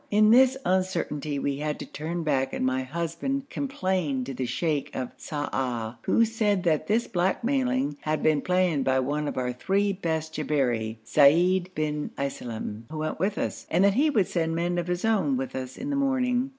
In this uncertainty we had to turn back and my husband complained to the sheikh of Sa'ah, who said that this blackmailing had been planned by one of our three best Jabberi, Seid bin Iselem, who went with us, and that he would send men of his own with us in the morning.